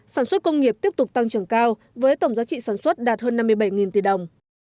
sản xuất công nghiệp tiếp tục tăng trưởng cao với tổng giá trị sản xuất đạt hơn năm mươi bảy tỷ đồng